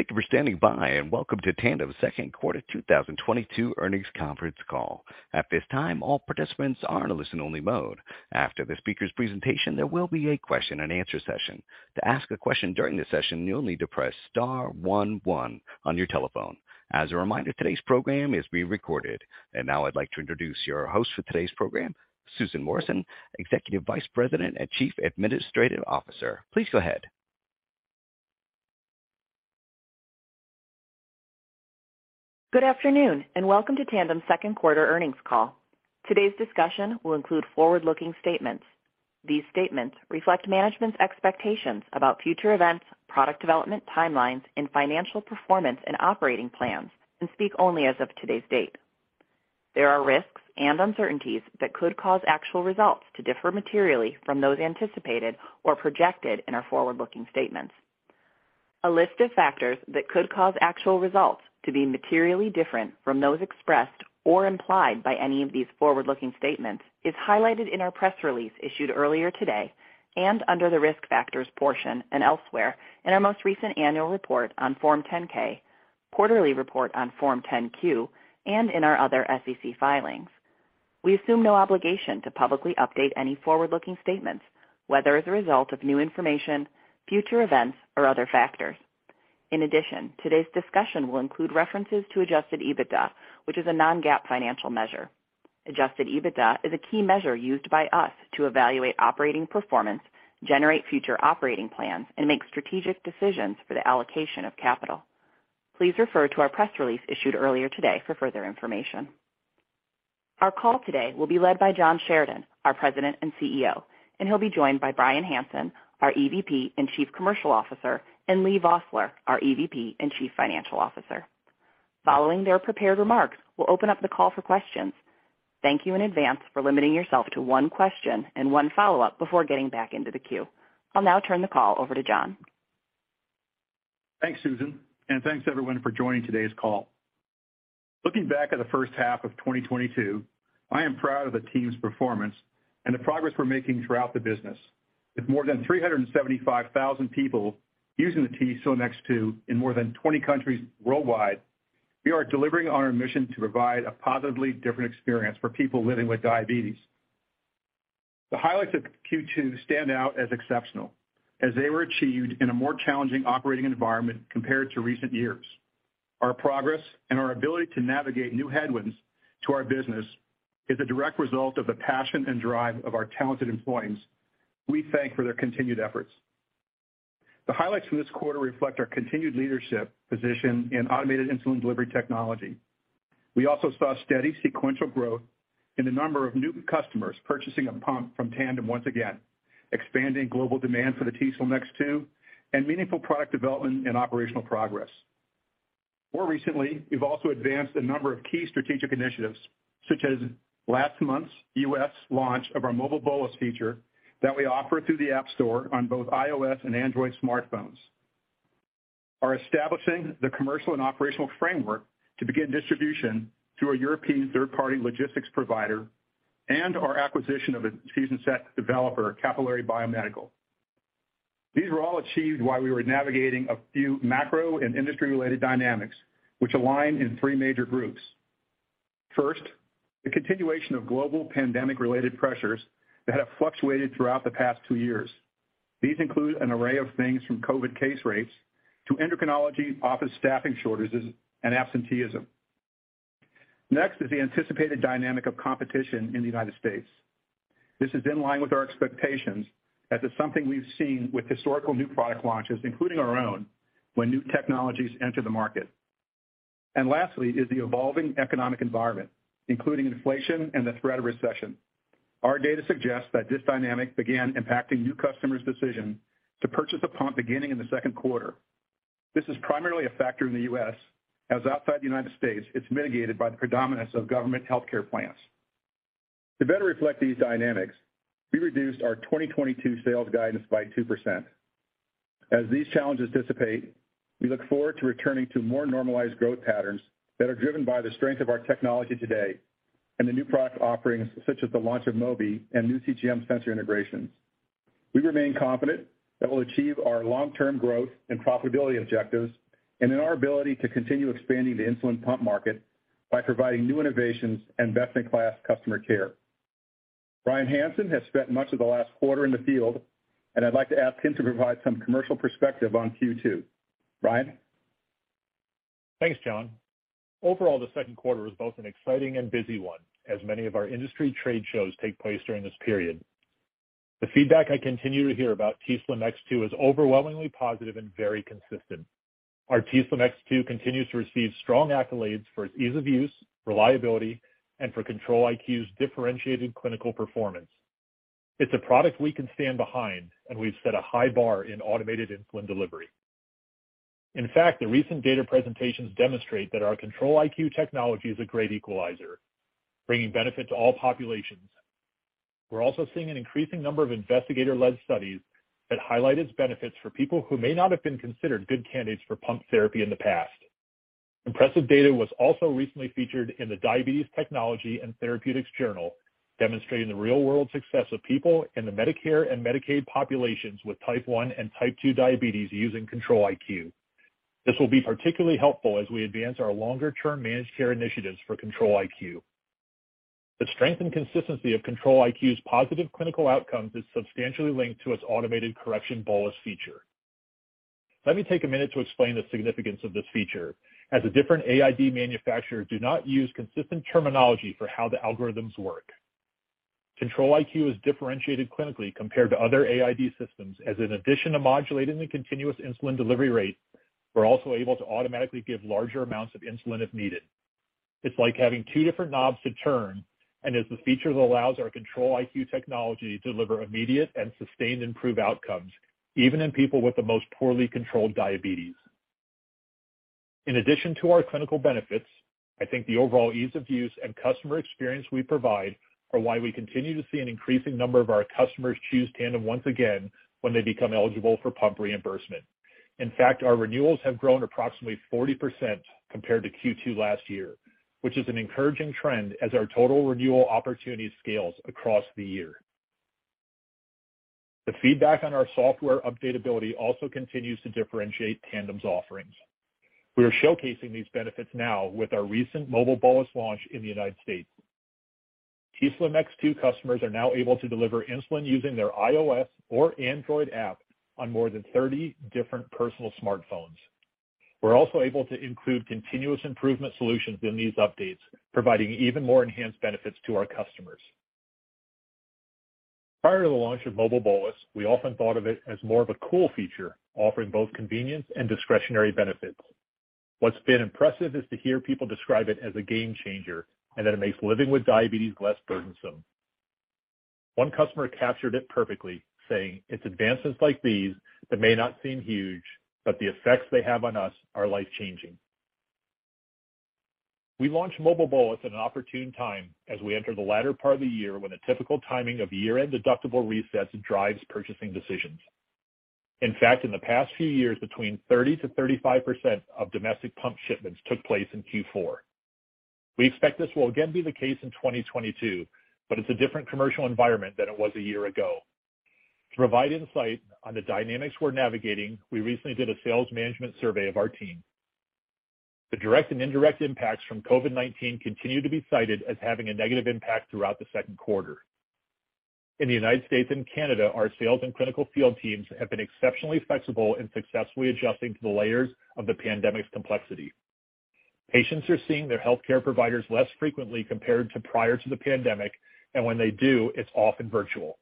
Thank you for standing by, and welcome to Tandem's Second Quarter 2022 Earnings Conference Call. At this time, all participants are in a listen only mode. After the speaker's presentation, there will be a question-and-answer session. To ask a question during the session, you'll need to press star one one on your telephone. As a reminder, today's program is being recorded. Now I'd like to introduce your host for today's program, Susan Morrison, Executive Vice President and Chief Administrative Officer. Please go ahead. Good afternoon, and welcome to Tandem's Second Quarter Earnings Call. Today's discussion will include forward-looking statements. These statements reflect management's expectations about future events, product development timelines, and financial performance and operating plans, and speak only as of today's date. There are risks and uncertainties that could cause actual results to differ materially from those anticipated or projected in our forward-looking statements. A list of factors that could cause actual results to be materially different from those expressed or implied by any of these forward-looking statements is highlighted in our press release issued earlier today and under the Risk Factors portion and elsewhere in our most recent annual report on Form 10-K, quarterly report on Form 10-Q, and in our other SEC filings. We assume no obligation to publicly update any forward-looking statements, whether as a result of new information, future events, or other factors. In addition, today's discussion will include references to Adjusted EBITDA, which is a non-GAAP financial measure. Adjusted EBITDA is a key measure used by us to evaluate operating performance, generate future operating plans, and make strategic decisions for the allocation of capital. Please refer to our press release issued earlier today for further information. Our call today will be led by John Sheridan, our President and CEO, and he'll be joined by Brian Hansen, our EVP and Chief Commercial Officer, and Leigh Vosseller, our EVP and Chief Financial Officer. Following their prepared remarks, we'll open up the call for questions. Thank you in advance for limiting yourself to one question and one follow-up before getting back into the queue. I'll now turn the call over to John. Thanks, Susan, and thanks everyone for joining today's call. Looking back at the first half of 2022, I am proud of the team's performance and the progress we're making throughout the business. With more than 375,000 people using the t:slim X2 in more than 20 countries worldwide, we are delivering on our mission to provide a positively different experience for people living with diabetes. The highlights of Q2 stand out as exceptional as they were achieved in a more challenging operating environment compared to recent years. Our progress and our ability to navigate new headwinds to our business is a direct result of the passion and drive of our talented employees we thank for their continued efforts. The highlights from this quarter reflect our continued leadership position in automated insulin delivery technology. We also saw steady sequential growth in the number of new customers purchasing a pump from Tandem once again, expanding global demand for the t:slim X2, and meaningful product development and operational progress. More recently, we've also advanced a number of key strategic initiatives, such as last month's U.S. launch of our Mobile Bolus feature that we offer through the App Store on both iOS and Android smartphones, we're establishing the commercial and operational framework to begin distribution through a European third-party logistics provider and our acquisition of an infusion set developer, Capillary Biomedical. These were all achieved while we were navigating a few macro and industry-related dynamics, which fall into three major groups. First, the continuation of global pandemic-related pressures that have fluctuated throughout the past two years. These include an array of things from COVID case rates to endocrinology office staffing shortages and absenteeism. Next is the anticipated dynamic of competition in the United States. This is in line with our expectations, as it's something we've seen with historical new product launches, including our own, when new technologies enter the market. Lastly is the evolving economic environment, including inflation and the threat of recession. Our data suggests that this dynamic began impacting new customers' decision to purchase a pump beginning in the second quarter. This is primarily a factor in the U.S., as outside the United States it's mitigated by the predominance of government healthcare plans. To better reflect these dynamics, we reduced our 2022 sales guidance by 2%. As these challenges dissipate, we look forward to returning to more normalized growth patterns that are driven by the strength of our technology today and the new product offerings such as the launch of Mobi and new CGM sensor integrations. We remain confident that we'll achieve our long-term growth and profitability objectives and in our ability to continue expanding the insulin pump market by providing new innovations and best-in-class customer care. Brian Hansen has spent much of the last quarter in the field, and I'd like to ask him to provide some commercial perspective on Q2. Brian? Thanks, John. Overall, the second quarter was both an exciting and busy one, as many of our industry trade shows take place during this period. The feedback I continue to hear about t:slim X2 is overwhelmingly positive and very consistent. Our t:slim X2 continues to receive strong accolades for its ease of use, reliability, and for Control-IQ's differentiated clinical performance. It's a product we can stand behind, and we've set a high bar in automated insulin delivery. In fact, the recent data presentations demonstrate that our Control-IQ technology is a great equalizer, bringing benefit to all populations. We're also seeing an increasing number of investigator-led studies that highlight its benefits for people who may not have been considered good candidates for pump therapy in the past. Impressive data was also recently featured in the Diabetes Technology & Therapeutics Journal, demonstrating the real-world success of people in the Medicare and Medicaid populations with type one and type two diabetes using Control-IQ. This will be particularly helpful as we advance our longer-term managed care initiatives for Control-IQ. The strength and consistency of Control-IQ's positive clinical outcomes is substantially linked to its automated correction bolus feature. Let me take a minute to explain the significance of this feature, as the different AID manufacturers do not use consistent terminology for how the algorithms work. Control-IQ is differentiated clinically compared to other AID systems, as in addition to modulating the continuous insulin delivery rate, we're also able to automatically give larger amounts of insulin if needed. It's like having two different knobs to turn, and it's the feature that allows our Control-IQ technology to deliver immediate and sustained improved outcomes, even in people with the most poorly controlled diabetes. In addition to our clinical benefits, I think the overall ease of use and customer experience we provide are why we continue to see an increasing number of our customers choose Tandem once again when they become eligible for pump reimbursement. In fact, our renewals have grown approximately 40% compared to Q2 last year, which is an encouraging trend as our total renewal opportunity scales across the year. The feedback on our software updatability also continues to differentiate Tandem's offerings. We are showcasing these benefits now with our recent Mobile Bolus launch in the United States. t:slim X2 customers are now able to deliver insulin using their iOS or Android app on more than 30 different personal smartphones. We're also able to include continuous improvement solutions in these updates, providing even more enhanced benefits to our customers. Prior to the launch of Mobile Bolus, we often thought of it as more of a cool feature, offering both convenience and discretionary benefits. What's been impressive is to hear people describe it as a game changer and that it makes living with diabetes less burdensome. One customer captured it perfectly, saying, "It's advancements like these that may not seem huge, but the effects they have on us are life-changing." We launched Mobile Bolus at an opportune time as we enter the latter part of the year when the typical timing of year-end deductible resets drives purchasing decisions. In fact, in the past few years, between 30%-35% of domestic pump shipments took place in Q4. We expect this will again be the case in 2022, but it's a different commercial environment than it was a year ago. To provide insight on the dynamics we're navigating, we recently did a sales management survey of our team. The direct and indirect impacts from COVID-19 continue to be cited as having a negative impact throughout the second quarter. In the United States and Canada, our sales and clinical field teams have been exceptionally flexible in successfully adjusting to the layers of the pandemic's complexity. Patients are seeing their healthcare providers less frequently compared to prior to the pandemic, and when they do, it's often virtual.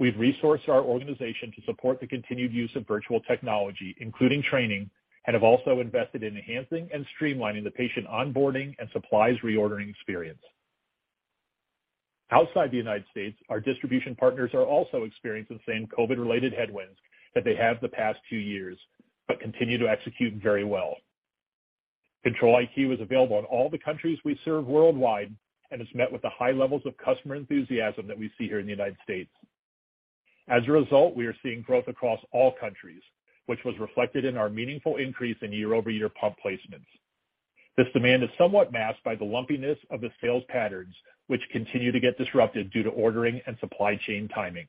We've resourced our organization to support the continued use of virtual technology, including training, and have also invested in enhancing and streamlining the patient onboarding and supplies reordering experience. Outside the United States, our distribution partners are also experiencing the same COVID-related headwinds that they have the past two years but continue to execute very well. Control-IQ is available in all the countries we serve worldwide and is met with the high levels of customer enthusiasm that we see here in the United States. As a result, we are seeing growth across all countries, which was reflected in our meaningful increase in year-over-year pump placements. This demand is somewhat masked by the lumpiness of the sales patterns, which continue to get disrupted due to ordering and supply chain timing.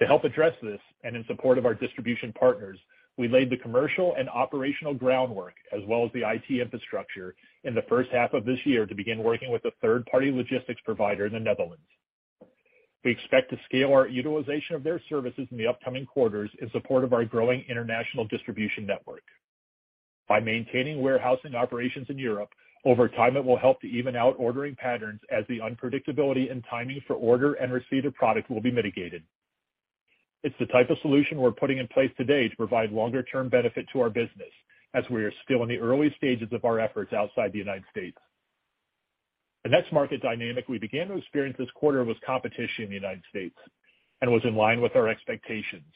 To help address this and in support of our distribution partners, we laid the commercial and operational groundwork as well as the IT infrastructure in the first half of this year to begin working with a third-party logistics provider in the Netherlands. We expect to scale our utilization of their services in the upcoming quarters in support of our growing international distribution network. By maintaining warehousing operations in Europe, over time, it will help to even out ordering patterns as the unpredictability and timing for order and receipt of product will be mitigated. It's the type of solution we're putting in place today to provide longer-term benefit to our business, as we are still in the early stages of our efforts outside the United States. The next market dynamic we began to experience this quarter was competition in the United States and was in line with our expectations.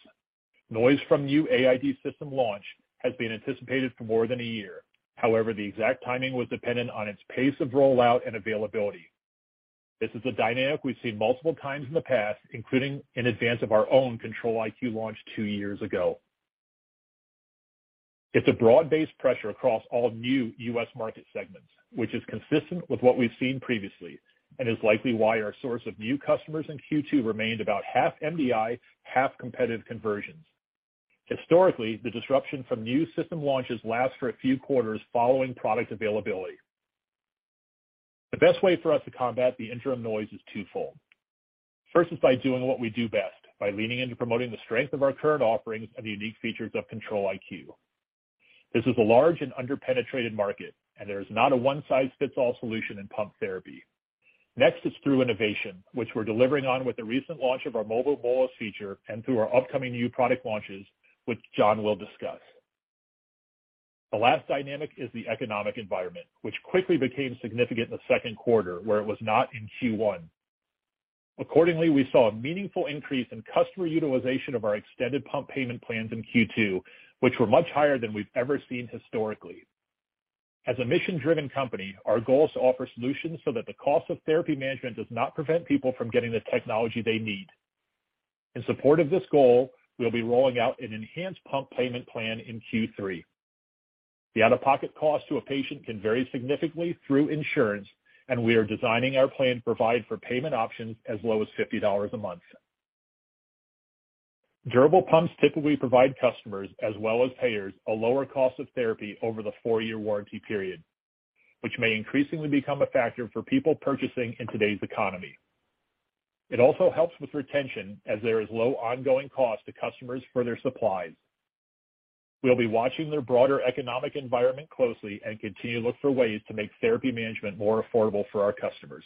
Noise from new AID system launch has been anticipated for more than a year. However, the exact timing was dependent on its pace of rollout and availability. This is a dynamic we've seen multiple times in the past, including in advance of our own Control-IQ launch two years ago. It's a broad-based pressure across all new U.S. market segments, which is consistent with what we've seen previously and is likely why our source of new customers in Q2 remained about half MDI, half competitive conversions. Historically, the disruption from new system launches lasts for a few quarters following product availability. The best way for us to combat the interim noise is twofold. First is by doing what we do best, by leaning into promoting the strength of our current offerings and the unique features of Control-IQ. This is a large and underpenetrated market, and there is not a one-size-fits-all solution in pump therapy. Next is through innovation, which we're delivering on with the recent launch of our Mobile Bolus feature and through our upcoming new product launches, which John will discuss. The last dynamic is the economic environment, which quickly became significant in the second quarter, where it was not in Q1. Accordingly, we saw a meaningful increase in customer utilization of our extended pump payment plans in Q2, which were much higher than we've ever seen historically. As a mission-driven company, our goal is to offer solutions so that the cost of therapy management does not prevent people from getting the technology they need. In support of this goal, we'll be rolling out an enhanced pump payment plan in Q3. The out-of-pocket cost to a patient can vary significantly through insurance, and we are designing our plan to provide for payment options as low as $50 a month. Durable pumps typically provide customers as well as payers a lower cost of therapy over the four-year warranty period, which may increasingly become a factor for people purchasing in today's economy. It also helps with retention as there is low ongoing cost to customers for their supplies. We'll be watching their broader economic environment closely and continue to look for ways to make therapy management more affordable for our customers.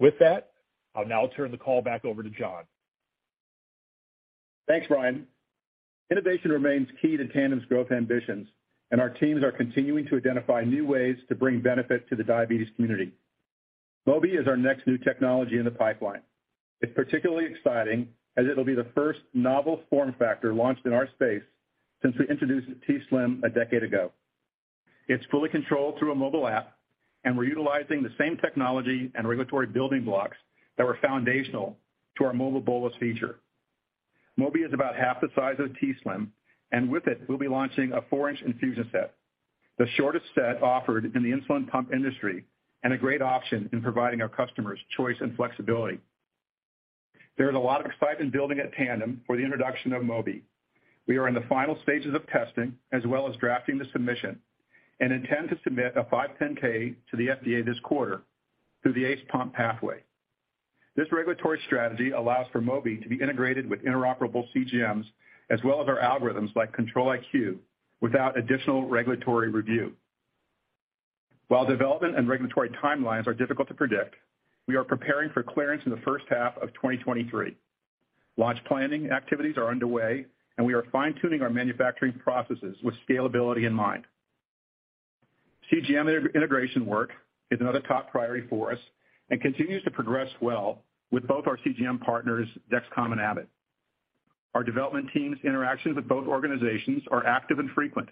With that, I'll now turn the call back over to John. Thanks, Brian. Innovation remains key to Tandem's growth ambitions, and our teams are continuing to identify new ways to bring benefit to the diabetes community. Mobi is our next new technology in the pipeline. It's particularly exciting as it'll be the first novel form factor launched in our space since we introduced t:slim a decade ago. It's fully controlled through a mobile app, and we're utilizing the same technology and regulatory building blocks that were foundational to our Mobile Bolus feature. Mobi is about half the size of t:slim, and with it, we'll be launching a 4-inch infusion set, the shortest set offered in the insulin pump industry, and a great option in providing our customers choice and flexibility. There is a lot of excitement building at Tandem for the introduction of Mobi. We are in the final stages of testing as well as drafting the submission, and intend to submit a 510(k) to the FDA this quarter through the ACE pump pathway. This regulatory strategy allows for Mobi to be integrated with interoperable CGMs as well as our algorithms like Control-IQ without additional regulatory review. While development and regulatory timelines are difficult to predict, we are preparing for clearance in the first half of 2023. Launch planning activities are underway, and we are fine-tuning our manufacturing processes with scalability in mind. CGM integration work is another top priority for us and continues to progress well with both our CGM partners, Dexcom and Abbott. Our development teams interactions with both organizations are active and frequent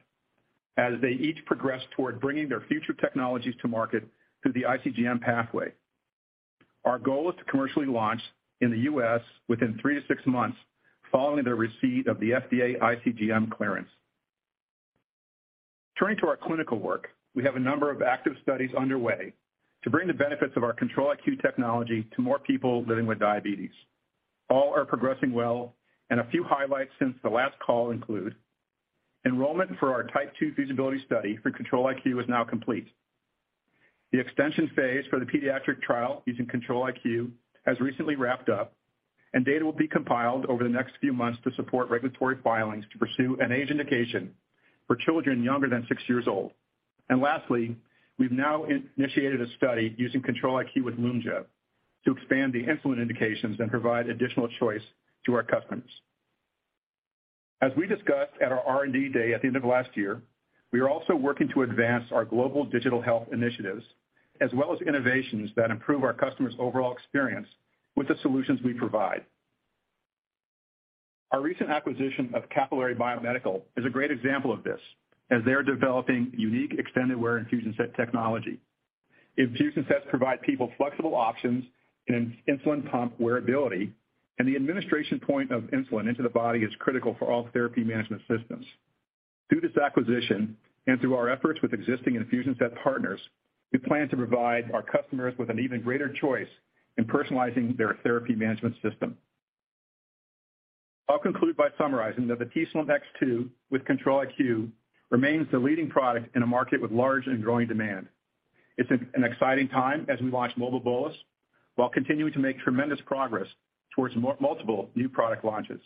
as they each progress toward bringing their future technologies to market through the iCGM pathway. Our goal is to commercially launch in the U.S. within three-six months following the receipt of the FDA iCGM clearance. Turning to our clinical work, we have a number of active studies underway to bring the benefits of our Control-IQ technology to more people living with diabetes. All are progressing well, and a few highlights since the last call include enrollment for our type two feasibility study for Control-IQ is now complete. The extension phase for the pediatric trial using Control-IQ has recently wrapped up, and data will be compiled over the next few months to support regulatory filings to pursue an age indication for children younger than six years old. Lastly, we've now initiated a study using Control-IQ with Lyumjev to expand the insulin indications and provide additional choice to our customers. As we discussed at our R&D Day at the end of last year, we are also working to advance our global digital health initiatives as well as innovations that improve our customer's overall experience with the solutions we provide. Our recent acquisition of Capillary Biomedical is a great example of this as they are developing unique extended wear infusion set technology. Infusion sets provide people flexible options in insulin pump wearability, and the administration point of insulin into the body is critical for all therapy management systems. Through this acquisition, and through our efforts with existing infusion set partners, we plan to provide our customers with an even greater choice in personalizing their therapy management system. I'll conclude by summarizing that the t:slim X2 with Control-IQ remains the leading product in a market with large and growing demand. It's an exciting time as we launch Mobile Bolus while continuing to make tremendous progress towards multiple new product launches.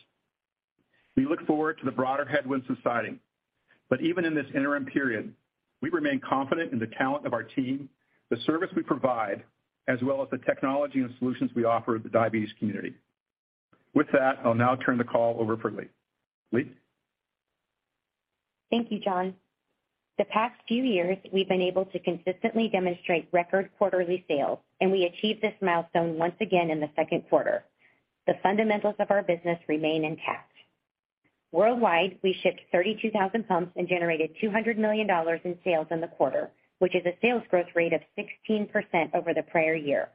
We look forward to the broader headwinds subsiding. Even in this interim period, we remain confident in the talent of our team, the service we provide, as well as the technology and solutions we offer the diabetes community. With that, I'll now turn the call over for Leigh. Leigh. Thank you, John. The past few years, we've been able to consistently demonstrate record quarterly sales, and we achieved this milestone once again in the second quarter. The fundamentals of our business remain intact. Worldwide, we shipped 32,000 pumps and generated $200 million in sales in the quarter, which is a sales growth rate of 16% over the prior year.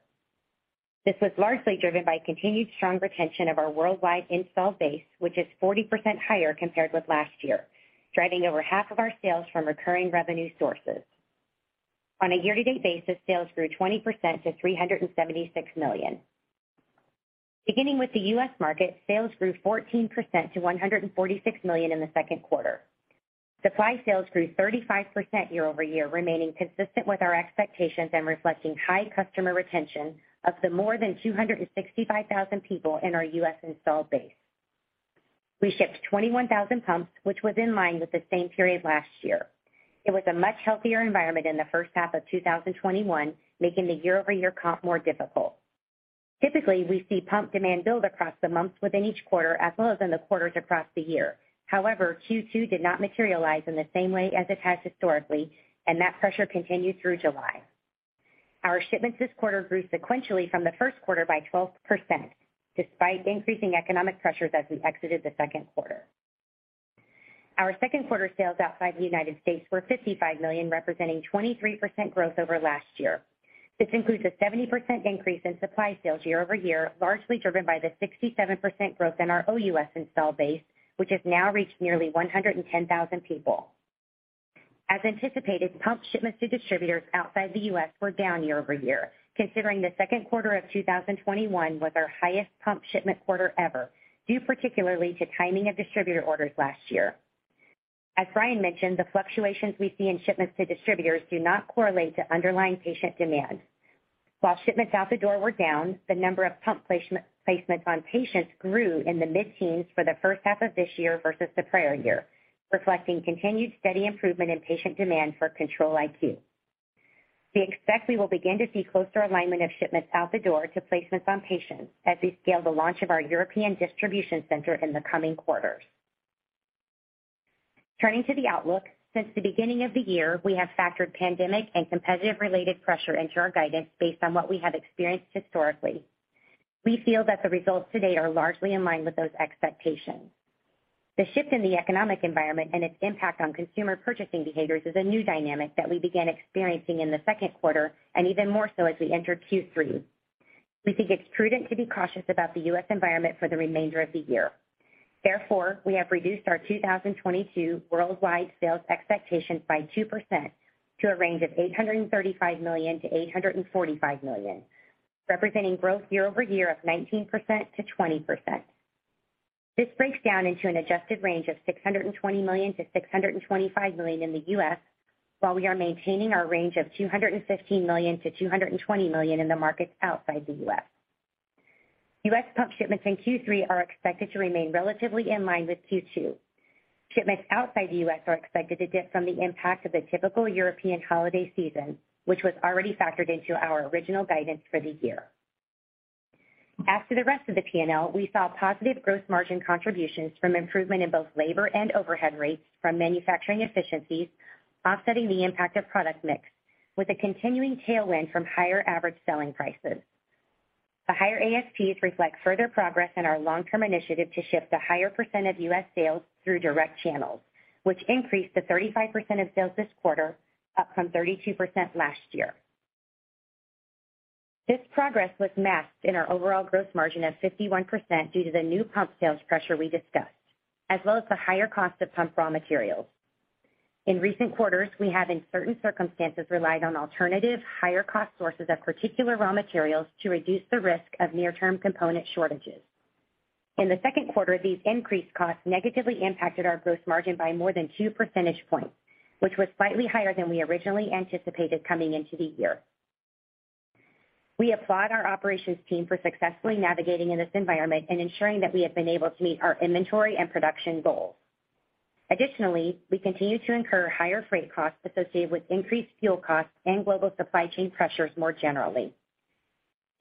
This was largely driven by continued strong retention of our worldwide install base, which is 40% higher compared with last year, driving over half of our sales from recurring revenue sources. On a year-to-date basis, sales grew 20% to $376 million. Beginning with the U.S. market, sales grew 14% to $146 million in the second quarter. Supply sales grew 35% year-over-year, remaining consistent with our expectations and reflecting high customer retention of the more than 265,000 people in our U.S. installed base. We shipped 21,000 pumps, which was in line with the same period last year. It was a much healthier environment in the first half of 2021, making the year-over-year comp more difficult. Typically, we see pump demand build across the months within each quarter as well as in the quarters across the year. However, Q2 did not materialize in the same way as it has historically, and that pressure continued through July. Our shipments this quarter grew sequentially from the first quarter by 12% despite increasing economic pressures as we exited the second quarter. Our second quarter sales outside the United States were $55 million, representing 23% growth over last year. This includes a 70% increase in supply sales year-over-year, largely driven by the 67% growth in our OUS install base, which has now reached nearly 110,000 people. As anticipated, pump shipments to distributors outside the U.S. were down year-over-year, considering the second quarter of 2021 was our highest pump shipment quarter ever, due particularly to timing of distributor orders last year. As Brian mentioned, the fluctuations we see in shipments to distributors do not correlate to underlying patient demand. While shipments out the door were down, the number of pump placements on patients grew in the mid-teens for the first half of this year versus the prior year, reflecting continued steady improvement in patient demand for Control-IQ. We expect we will begin to see closer alignment of shipments out the door to placements on patients as we scale the launch of our European distribution center in the coming quarters. Turning to the outlook, since the beginning of the year, we have factored pandemic and competitive related pressure into our guidance based on what we have experienced historically. We feel that the results today are largely in line with those expectations. The shift in the economic environment and its impact on consumer purchasing behaviors is a new dynamic that we began experiencing in the second quarter, and even more so as we enter Q3. We think it's prudent to be cautious about the U.S. environment for the remainder of the year. Therefore, we have reduced our 2022 worldwide sales expectations by 2% to a range of $835 million-$845 million, representing growth year-over-year of 19%-20%. This breaks down into an adjusted range of $620 million-$625 million in the U.S., while we are maintaining our range of $215 million-$220 million in the markets outside the U.S. U.S. Pump shipments in Q3 are expected to remain relatively in line with Q2. Shipments outside the U.S. are expected to dip from the impact of the typical European holiday season, which was already factored into our original guidance for the year. As to the rest of the P&L, we saw positive gross margin contributions from improvement in both labor and overhead rates from manufacturing efficiencies, offsetting the impact of product mix with a continuing tailwind from higher average selling prices. The higher ASPs reflect further progress in our long-term initiative to shift a higher percent of U.S. sales through direct channels, which increased to 35% of sales this quarter, up from 32% last year. This progress was masked in our overall gross margin of 51% due to the new pump sales pressure we discussed, as well as the higher cost of pump raw materials. In recent quarters, we have, in certain circumstances, relied on alternative higher cost sources of particular raw materials to reduce the risk of near-term component shortages. In the second quarter, these increased costs negatively impacted our gross margin by more than 2 percentage points, which was slightly higher than we originally anticipated coming into the year. We applaud our operations team for successfully navigating in this environment and ensuring that we have been able to meet our inventory and production goals. Additionally, we continue to incur higher freight costs associated with increased fuel costs and global supply chain pressures more generally.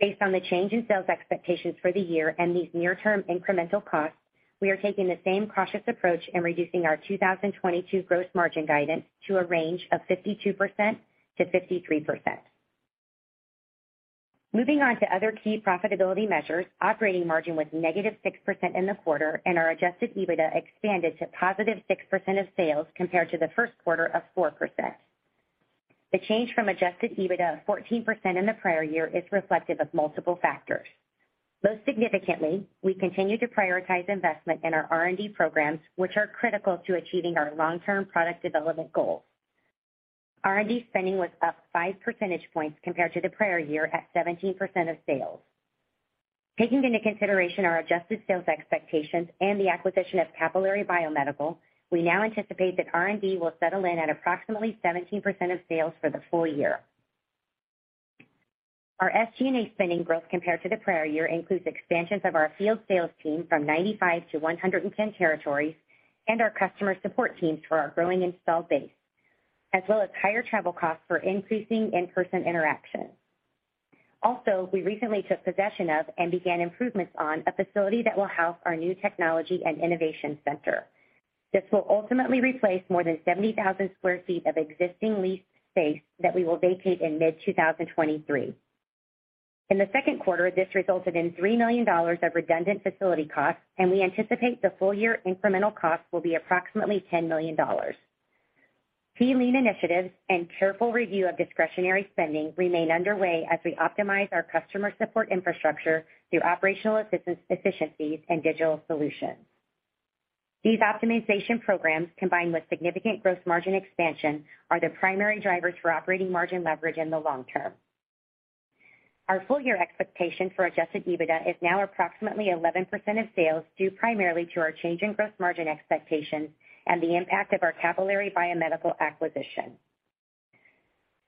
Based on the change in sales expectations for the year and these near-term incremental costs, we are taking the same cautious approach in reducing our 2022 gross margin guidance to a range of 52%-53%. Moving on to other key profitability measures. Operating margin was -6% in the quarter and our Adjusted EBITDA expanded to +6% of sales compared to the first quarter of 4%. The change from Adjusted EBITDA of 14% in the prior year is reflective of multiple factors. Most significantly, we continue to prioritize investment in our R&D programs, which are critical to achieving our long-term product development goals. R&D spending was up 5 percentage points compared to the prior year, at 17% of sales. Taking into consideration our adjusted sales expectations and the acquisition of Capillary Biomedical, we now anticipate that R&D will settle in at approximately 17% of sales for the full year. Our SG&A spending growth compared to the prior year includes expansions of our field sales team from 95 to 110 territories and our customer support teams for our growing install base, as well as higher travel costs for increasing in-person interaction. Also, we recently took possession of and began improvements on a facility that will house our new technology and innovation center. This will ultimately replace more than 70,000 sq ft of existing leased space that we will vacate in mid-2023. In the second quarter, this resulted in $3 million of redundant facility costs, and we anticipate the full year incremental cost will be approximately $10 million. Key lean initiatives and careful review of discretionary spending remain underway as we optimize our customer support infrastructure through operational assistance efficiencies and digital solutions. These optimization programs, combined with significant gross margin expansion, are the primary drivers for operating margin leverage in the long term. Our full year expectation for Adjusted EBITDA is now approximately 11% of sales, due primarily to our change in gross margin expectations and the impact of our Capillary Biomedical acquisition.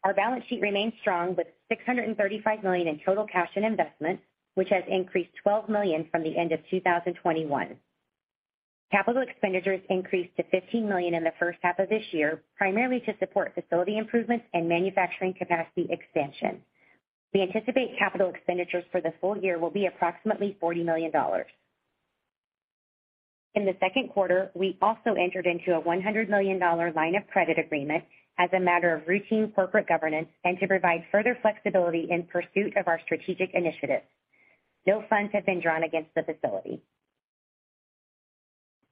Our balance sheet remains strong, with $635 million in total cash and investment, which has increased $12 million from the end of 2021. Capital expenditures increased to $15 million in the first half of this year, primarily to support facility improvements and manufacturing capacity expansion. We anticipate capital expenditures for the full year will be approximately $40 million. In the second quarter, we also entered into a $100 million line of credit agreement as a matter of routine corporate governance and to provide further flexibility in pursuit of our strategic initiatives. No funds have been drawn against the facility.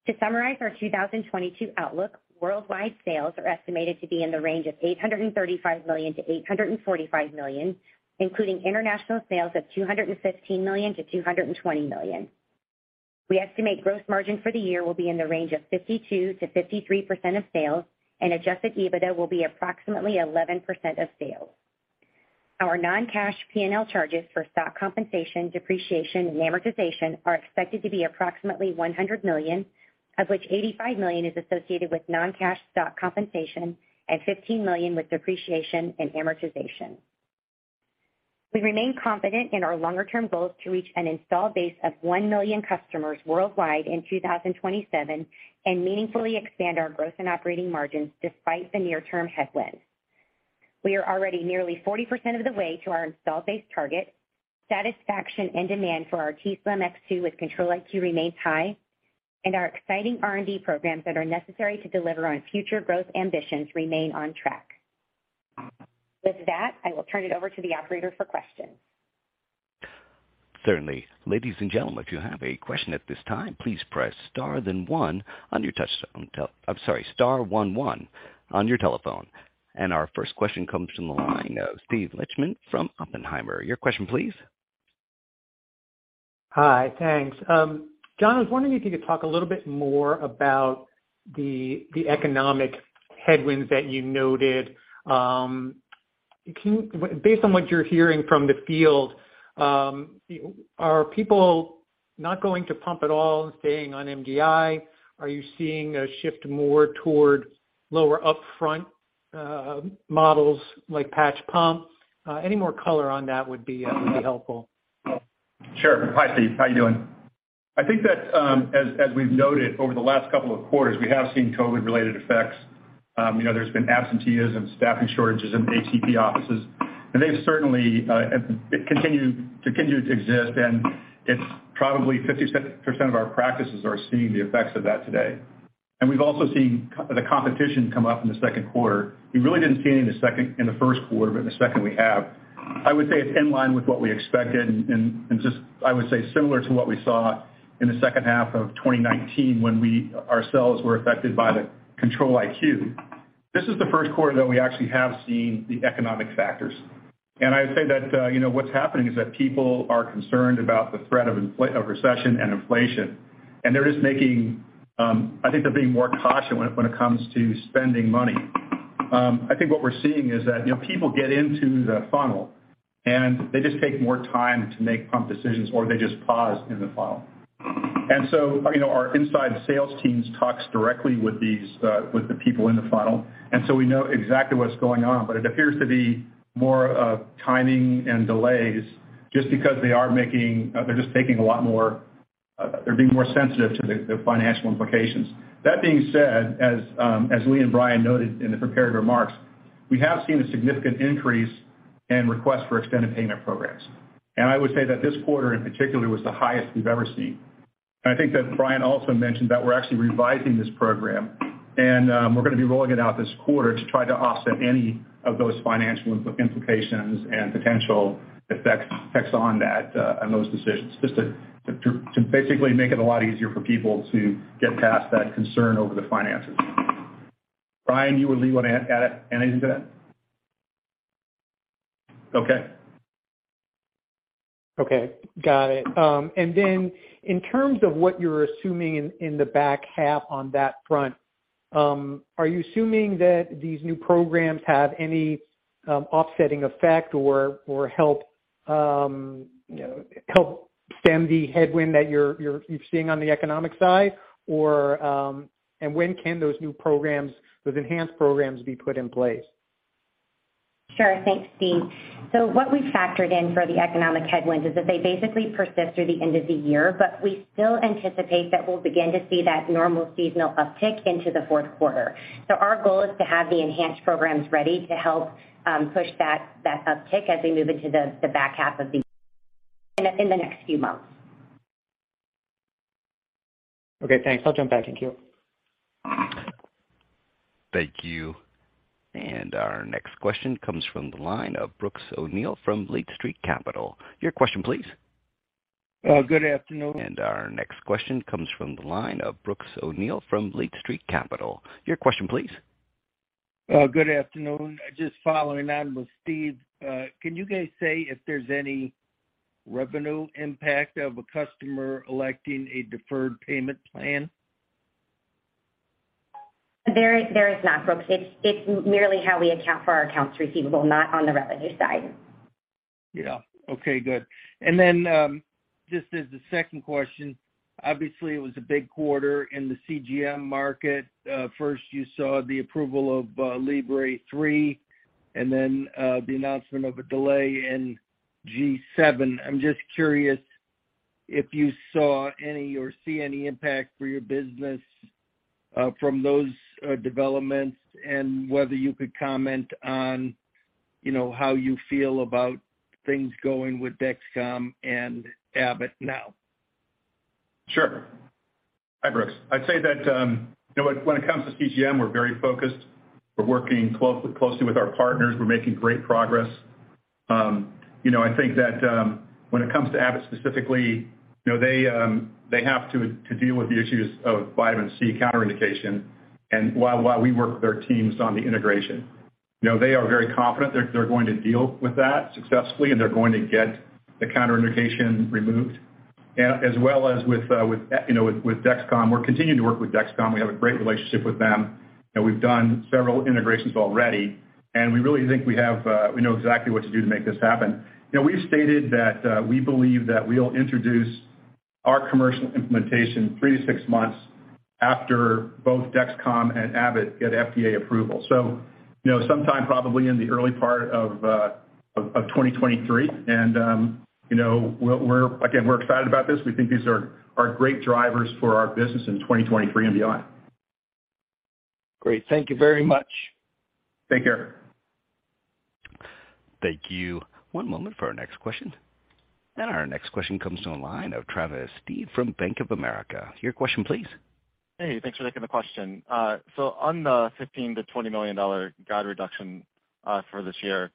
To summarize our 2022 outlook, worldwide sales are estimated to be in the range of $835 million-$845 million, including international sales of $215 million-$220 million. We estimate gross margin for the year will be in the range of 52%-53% of sales, and Adjusted EBITDA will be approximately 11% of sales. Our non-cash P&L charges for stock compensation, depreciation, and amortization are expected to be approximately $100 million, of which $85 million is associated with non-cash stock compensation and $15 million with depreciation and amortization. We remain confident in our longer-term goals to reach an installed base of 1 million customers worldwide in 2027 and meaningfully expand our growth and operating margins despite the near-term headwinds. We are already nearly 40% of the way to our installed base target. Satisfaction and demand for our t:slim X2 with Control-IQ remains high, and our exciting R&D programs that are necessary to deliver on future growth ambitions remain on track. With that, I will turn it over to the operator for questions. Certainly. Ladies and gentlemen, if you have a question at this time, please press star one one on your telephone. Our first question comes from the line of Steve Lichtman from Oppenheimer. Your question, please. Hi. Thanks. John, I was wondering if you could talk a little bit more about the economic headwinds that you noted. Based on what you're hearing from the field, are people not going to pump at all, staying on MDI? Are you seeing a shift more toward lower upfront models like patch pumps? Any more color on that would be helpful. Sure. Hi, Steve. How you doing? I think that, as we've noted over the last couple of quarters, we have seen COVID-related effects. There's been absenteeism, staffing shortages in the HCP offices. They've certainly continued to exist, and it's probably 50% of our practices are seeing the effects of that today. We've also seen the competition come up in the second quarter. We really didn't see it in the first quarter, but in the second, we have. I would say it's in line with what we expected and just, I would say, similar to what we saw in the second half of 2019 when we ourselves were affected by the Control-IQ. This is the first quarter, though, we actually have seen the economic factors. I would say that, you know, what's happening is that people are concerned about the threat of recession and inflation. They're just making, I think they're being more cautious when it comes to spending money. I think what we're seeing is that, you know, people get into the funnel, and they just take more time to make pump decisions, or they just pause in the funnel. You know, our inside sales teams talks directly with these, with the people in the funnel, and so we know exactly what's going on. It appears to be more of timing and delays just because they are, they're just taking a lot more, they're being more sensitive to the financial implications. That being said, as Leigh and Brian noted in the prepared remarks, we have seen a significant increase in requests for extended payment programs. I would say that this quarter in particular was the highest we've ever seen. I think that Brian also mentioned that we're actually revising this program, and we're gonna be rolling it out this quarter to try to offset any of those financial implications and potential effects on that, on those decisions, just to basically make it a lot easier for people to get past that concern over the finances. Brian, you and Leigh want to add anything to that? Okay. Okay. Got it. In terms of what you're assuming in the back half on that front, are you assuming that these new programs have any offsetting effect or help you know help stem the headwind that you're seeing on the economic side? When can those new programs, those enhanced programs be put in place? Sure. Thanks, Steve. What we've factored in for the economic headwinds is that they basically persist through the end of the year, but we still anticipate that we'll begin to see that normal seasonal uptick into the fourth quarter. Our goal is to have the enhanced programs ready to help push that uptick as we move into the back half of the year in the next few months. Okay, thanks. I'll jump back in queue. Thank you. Our next question comes from the line of Brooks O'Neil from Lake Street Capital Markets. Your question please. Good afternoon. Our next question comes from the line of Brooks O'Neil from Lake Street Capital Markets. Your question, please. Good afternoon. Just following on with Steve. Can you guys say if there's any revenue impact of a customer electing a deferred payment plan? There is not, Brooks. It's merely how we account for our accounts receivable, not on the revenue side. Yeah. Okay, good. Just as the second question, obviously, it was a big quarter in the CGM market. First you saw the approval of Libre 3 and then the announcement of a delay in G7. I'm just curious if you saw any or see any impact for your business from those developments and whether you could comment on, you know, how you feel about things going with Dexcom and Abbott now. Sure. Hi, Brooks. I'd say that, you know, when it comes to CGM, we're very focused. We're working closely with our partners. We're making great progress. You know, I think that, when it comes to Abbott specifically, you know, they have to deal with the issues of vitamin C counterindication and while we work with their teams on the integration. You know, they are very confident they're going to deal with that successfully, and they're going to get the counterindication removed. As well as with Dexcom, we're continuing to work with Dexcom. We have a great relationship with them, and we've done several integrations already. We really think we have, we know exactly what to do to make this happen. You know, we've stated that we believe that we'll introduce our commercial implementation three-six months after both Dexcom and Abbott get FDA approval. You know, sometime probably in the early part of 2023. You know, again, we're excited about this. We think these are great drivers for our business in 2023 and beyond. Great. Thank you very much. Take care. Thank you. One moment for our next question. Our next question comes to the line of Travis Steed from Bank of America. Your question please. Hey, thanks for taking the question. So on the $15 million-$20 million guide reduction for this year,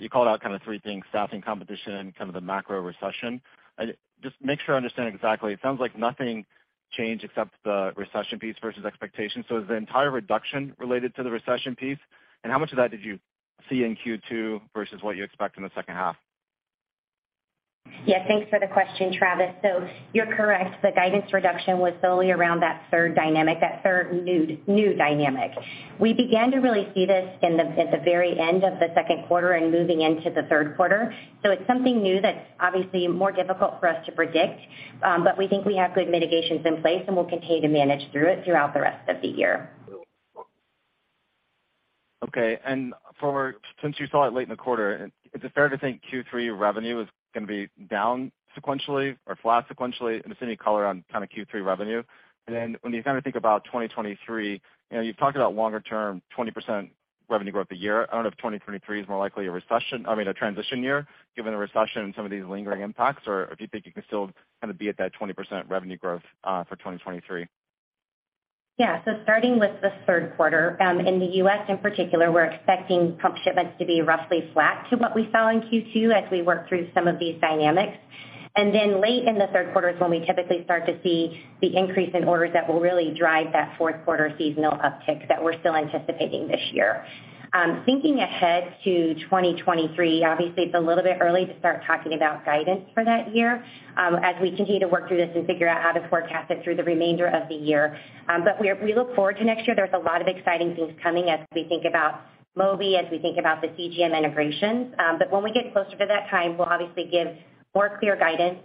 you called out kind of three things: staffing, competition, and kind of the macro recession. I just make sure I understand exactly. It sounds like nothing changed except the recession piece versus expectations. Is the entire reduction related to the recession piece? And how much of that did you see in Q2 versus what you expect in the second half? Yeah, thanks for the question, Travis. You're correct. The guidance reduction was solely around that third dynamic, that third new dynamic. We began to really see this at the very end of the second quarter and moving into the third quarter. It's something new that's obviously more difficult for us to predict. But we think we have good mitigations in place, and we'll continue to manage through it throughout the rest of the year. Okay. Since you saw it late in the quarter, is it fair to think Q3 revenue is gonna be down sequentially or flat sequentially? Just any color on kind of Q3 revenue. When you kind of think about 2023, you know, you've talked about longer term 20% revenue growth a year. I don't know if 2023 is more likely, I mean, a transition year given the recession and some of these lingering impacts, or if you think you can still kind of be at that 20% revenue growth for 2023. Yeah. Starting with the third quarter, in the U.S. in particular, we're expecting pump shipments to be roughly flat to what we saw in Q2 as we work through some of these dynamics. Late in the third quarter is when we typically start to see the increase in orders that will really drive that fourth quarter seasonal uptick that we're still anticipating this year. Thinking ahead to 2023, obviously it's a little bit early to start talking about guidance for that year, as we continue to work through this and figure out how to forecast it through the remainder of the year. We look forward to next year. There's a lot of exciting things coming as we think about Mobi, as we think about the CGM integrations. When we get closer to that time, we'll obviously give more clear guidance.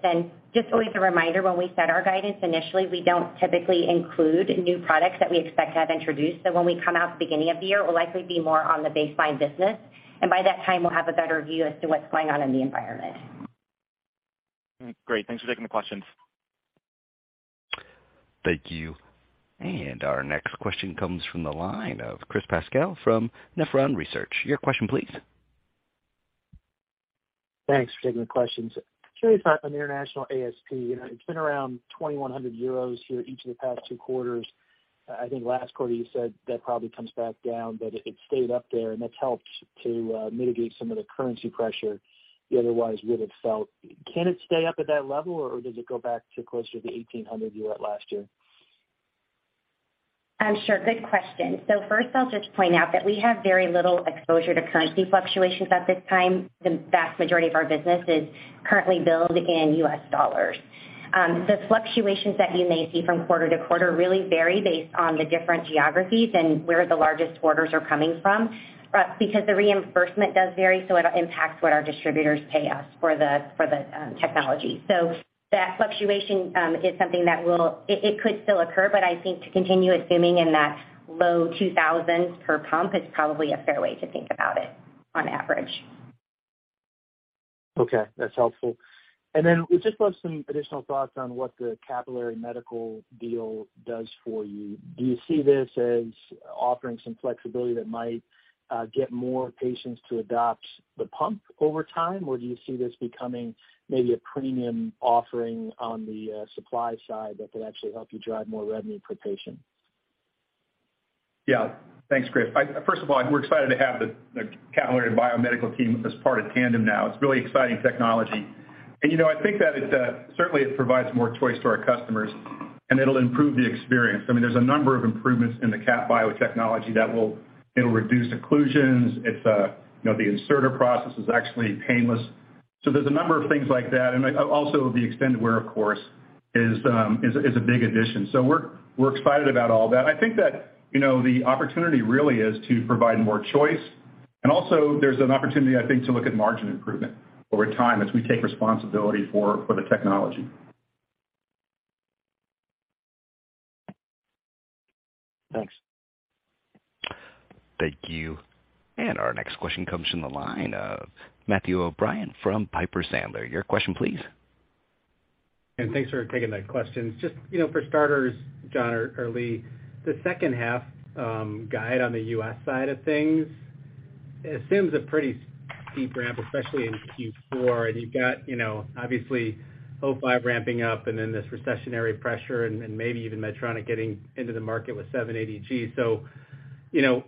Just always a reminder, when we set our guidance initially, we don't typically include new products that we expect to have introduced. When we come out at the beginning of the year, it will likely be more on the baseline business. By that time, we'll have a better view as to what's going on in the environment. Great. Thanks for taking the questions. Thank you. Our next question comes from the line of Chris Pasquale from Nephron Research. Your question please. Thanks for taking the questions. Leigh, on the international ASP, you know, it's been around 2,100 euros here each of the past two quarters. I think last quarter you said that probably comes back down, but it stayed up there and that's helped to mitigate some of the currency pressure you otherwise would have felt. Can it stay up at that level, or does it go back to closer to the 1,800 you had last year? Sure. Good question. First I'll just point out that we have very little exposure to currency fluctuations at this time. The vast majority of our business is currently billed in U.S. dollars. The fluctuations that you may see from quarter-to-quarter really vary based on the different geographies and where the largest orders are coming from for us, because the reimbursement does vary, so it impacts what our distributors pay us for the technology. So that fluctuation is something that could still occur, but I think to continue assuming in that low $2,000s per pump is probably a fair way to think about it on average. Okay, that's helpful. We just want some additional thoughts on what the Capillary Biomedical deal does for you. Do you see this as offering some flexibility that might get more patients to adopt the pump over time? Or do you see this becoming maybe a premium offering on the supply side that could actually help you drive more revenue per patient? Yeah. Thanks, Chris. First of all, we're excited to have the Capillary Biomedical team as part of Tandem now. It's really exciting technology. You know, I think that it certainly provides more choice to our customers, and it'll improve the experience. I mean, there's a number of improvements in the Cap Bio technology that'll reduce occlusions. You know, the inserter process is actually painless. So there's a number of things like that. Also the extended wear, of course, is a big addition. So we're excited about all that. I think that you know, the opportunity really is to provide more choice. Also there's an opportunity, I think, to look at margin improvement over time as we take responsibility for the technology. Thanks. Thank you. Our next question comes from the line of Matthew O'Brien from Piper Sandler. Your question please. Thanks for taking the questions. Just, you know, for starters, John or Leigh, the second half guide on the U.S. side of things. It seems a pretty steep ramp, especially in Q4. You've got, you know, obviously, O5 ramping up and then this recessionary pressure and maybe even Medtronic getting into the market with 780G. You know,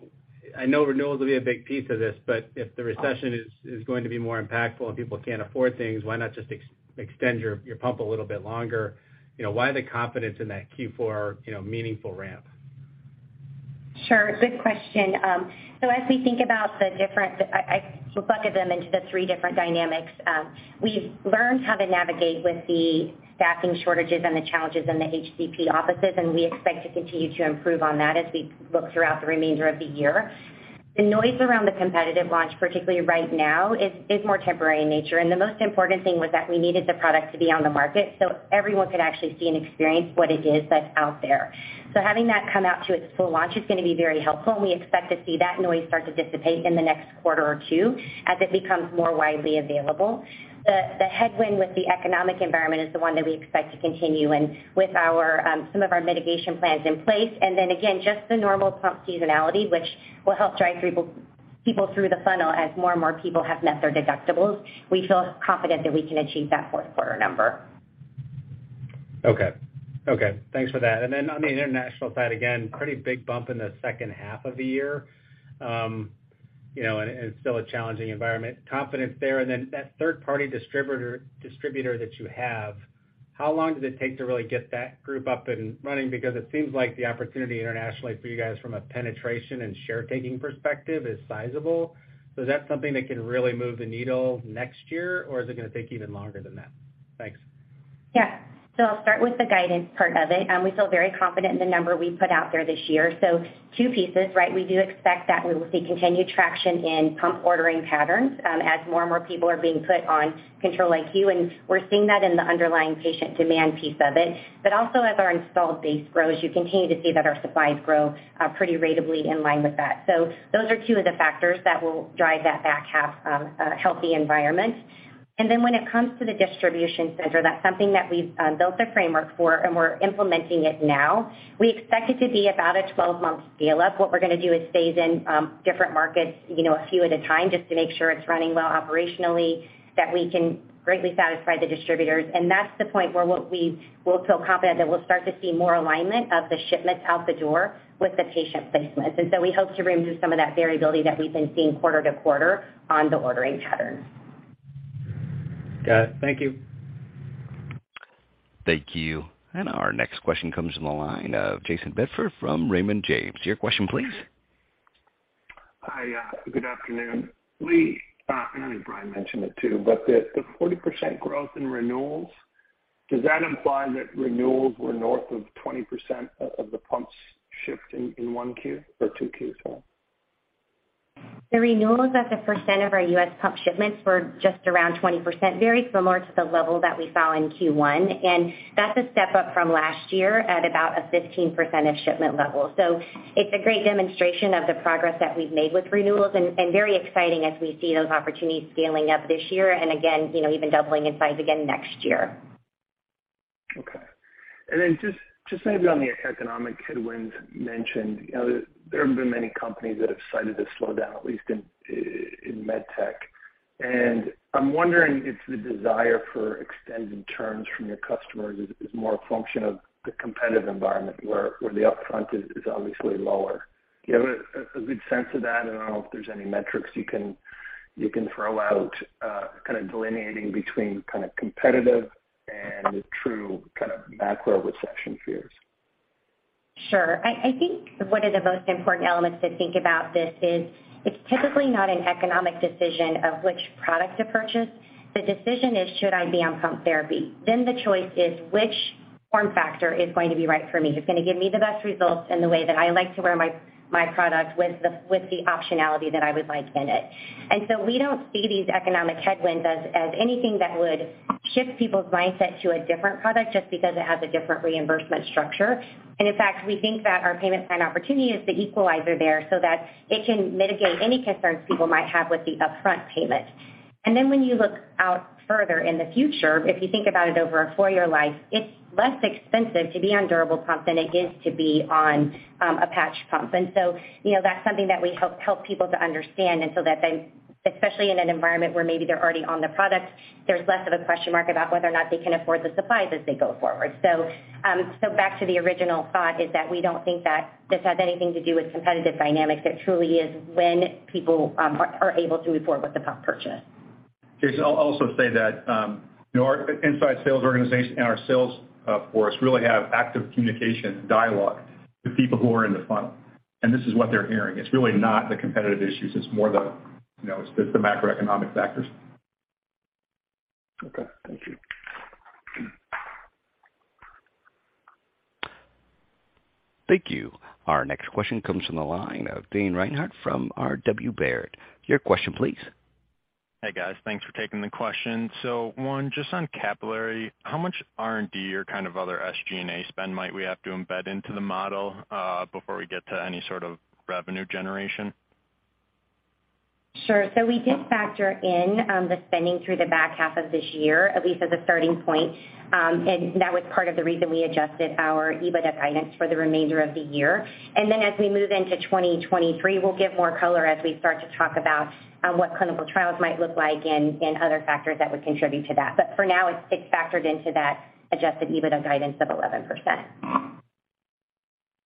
I know renewals will be a big piece of this, but if the recession is going to be more impactful and people can't afford things, why not just extend your pump a little bit longer? You know, why the confidence in that Q4 meaningful ramp? Sure. Good question. As we think about the different, I bucketed them into the three different dynamics. We've learned how to navigate with the staffing shortages and the challenges in the HCP offices, and we expect to continue to improve on that as we look throughout the remainder of the year. The noise around the competitive launch, particularly right now, is more temporary in nature. The most important thing was that we needed the product to be on the market so everyone could actually see and experience what it is that's out there. Having that come out to its full launch is gonna be very helpful, and we expect to see that noise start to dissipate in the next quarter or two as it becomes more widely available. The headwind with the economic environment is the one that we expect to continue and with some of our mitigation plans in place. Then again, just the normal pump seasonality, which will help drive people through the funnel as more and more people have met their deductibles. We feel confident that we can achieve that fourth quarter number. Okay. Thanks for that. On the international side, again, pretty big bump in the second half of the year. You know, and still a challenging environment. Confidence there, and then that third-party distributor that you have, how long does it take to really get that group up and running? Because it seems like the opportunity internationally for you guys from a penetration and share taking perspective is sizable. Is that something that can really move the needle next year, or is it gonna take even longer than that? Thanks. Yeah. I'll start with the guidance part of it. We feel very confident in the number we put out there this year. Two pieces, right? We do expect that we will see continued traction in pump ordering patterns, as more and more people are being put on Control-IQ, and we're seeing that in the underlying patient demand piece of it. Also as our installed base grows, you continue to see that our supplies grow pretty ratably in line with that. Those are two of the factors that will drive that back half, healthy environment. Then when it comes to the distribution center, that's something that we've built the framework for and we're implementing it now. We expect it to be about a 12-month scale up. What we're gonna do is phase in different markets, you know, a few at a time just to make sure it's running well operationally, that we can greatly satisfy the distributors. That's the point where what we will feel confident that we'll start to see more alignment of the shipments out the door with the patient placements. We hope to reduce some of that variability that we've been seeing quarter-to-quarter on the ordering patterns. Got it. Thank you. Thank you. Our next question comes from the line of Jayson Bedford from Raymond James. Your question, please. Hi. Good afternoon. Leigh, I know Brian mentioned it too, but the 40% growth in renewals, does that imply that renewals were north of 20% of the pumps shipped in 1Q or 2Qs sorry? The renewals as a percent of our U.S. pump shipments were just around 20%, very similar to the level that we saw in Q1. That's a step up from last year at about a 15% of shipment level. It's a great demonstration of the progress that we've made with renewals and very exciting as we see those opportunities scaling up this year and again, you know, even doubling in size again next year. Okay. Just maybe on the economic headwinds mentioned. You know, there haven't been many companies that have cited a slowdown, at least in med tech. I'm wondering if the desire for extending terms from your customers is more a function of the competitive environment where the upfront is obviously lower. Do you have a good sense of that? I don't know if there's any metrics you can throw out, kind of delineating between kind of competitive and true kind of macro recession fears. Sure. I think one of the most important elements to think about this is it's typically not an economic decision of which product to purchase. The decision is should I be on pump therapy? Then the choice is which form factor is going to be right for me? It's gonna give me the best results in the way that I like to wear my product with the optionality that I would like in it. We don't see these economic headwinds as anything that would shift people's mindset to a different product just because it has a different reimbursement structure. In fact, we think that our payment plan opportunity is the equalizer there so that it can mitigate any concerns people might have with the upfront payment. Then when you look out further in the future, if you think about it over a four-year life, it's less expensive to be on durable pump than it is to be on a patch pump. You know, that's something that we help people to understand so that then, especially in an environment where maybe they're already on the product, there's less of a question mark about whether or not they can afford the supplies as they go forward. Back to the original thought is that we don't think that this has anything to do with competitive dynamics. It truly is when people are able to afford what the pump purchase. Jayson, I'll also say that, you know, our inside sales organization and our sales force really have active communication dialogue with people who are in the funnel, and this is what they're hearing. It's really not the competitive issues. It's more the, you know, it's the macroeconomic factors. Okay. Thank you. Thank you. Our next question comes from the line of Dan Renouard from Robert W. Baird. Your question, please. Hey, guys. Thanks for taking the question. One, just on Capillary, how much R&D or kind of other SG&A spend might we have to embed into the model, before we get to any sort of revenue generation? Sure. We did factor in the spending through the back half of this year, at least as a starting point. That was part of the reason we adjusted our EBITDA guidance for the remainder of the year. As we move into 2023, we'll give more color as we start to talk about what clinical trials might look like and other factors that would contribute to that. For now, it's factored into that Adjusted EBITDA guidance of 11%.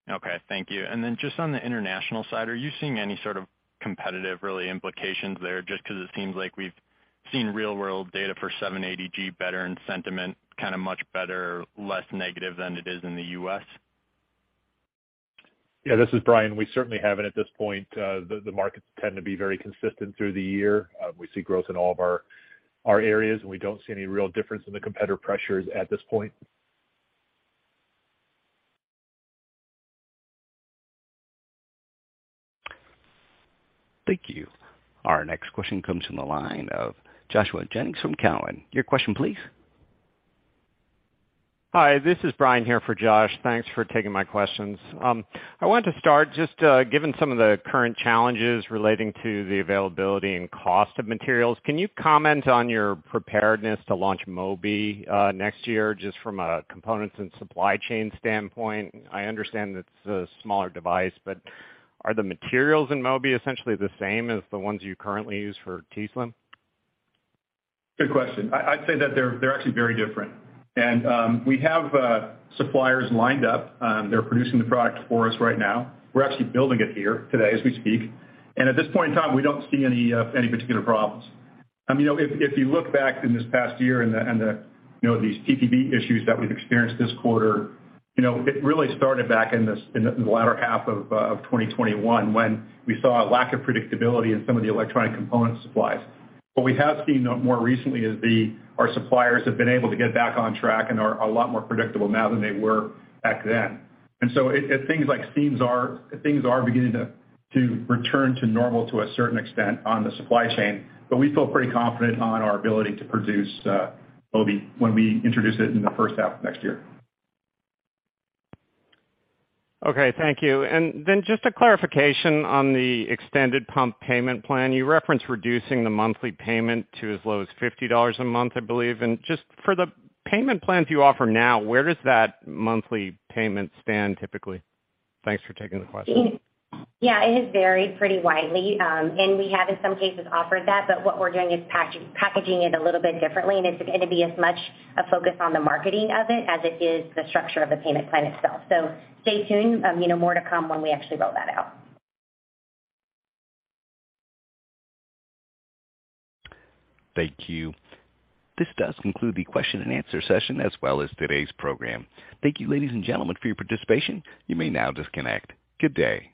Okay. Thank you. Just on the international side, are you seeing any sort of competitive, real implications there? Just 'cause it seems like we've seen real world data for 780G better and sentiment kinda much better, less negative than it is in the U.S. Yeah, this is Brian. We certainly haven't at this point. The markets tend to be very consistent through the year. We see growth in all of our areas, and we don't see any real difference in the competitive pressures at this point. Thank you. Our next question comes from the line of Joshua Jennings from Cowen. Your question please. Hi, this is Brian here for Josh. Thanks for taking my questions. I want to start just, given some of the current challenges relating to the availability and cost of materials, can you comment on your preparedness to launch Mobi next year, just from a components and supply chain standpoint? I understand it's a smaller device, but are the materials in Mobi essentially the same as the ones you currently use for t:slim? Good question. I'd say that they're actually very different. We have suppliers lined up. They're producing the product for us right now. We're actually building it here today as we speak. At this point in time, we don't see any particular problems. I mean, if you look back in this past year and the, you know, these PCB issues that we've experienced this quarter, you know, it really started back in the latter half of 2021 when we saw a lack of predictability in some of the electronic component supplies. What we have seen more recently is our suppliers have been able to get back on track and are a lot more predictable now than they were back then. Things are beginning to return to normal to a certain extent on the supply chain, but we feel pretty confident on our ability to produce Mobi when we introduce it in the first half of next year. Okay, thank you. Then just a clarification on the extended pump payment plan. You referenced reducing the monthly payment to as low as $50 a month, I believe. Just for the payment plans you offer now, where does that monthly payment stand typically? Thanks for taking the question. Yeah, it has varied pretty widely. We have in some cases offered that, but what we're doing is packaging it a little bit differently, and it's going to be as much a focus on the marketing of it as it is the structure of the payment plan itself. Stay tuned. You know, more to come when we actually roll that out. Thank you. This does conclude the question-and-answer session as well as today's program. Thank you, ladies and gentlemen, for your participation. You may now disconnect. Good day.